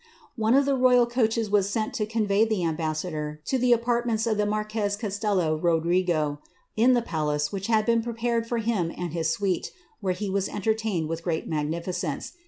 One of the royal coaches was sent >nTey the ambassador to the apartments of the marquez Castello igo, in the palace, which had been prepared for him and his nutfy e he was entertained witli great magnificence.